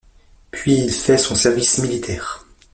Puis il fait son service militaire.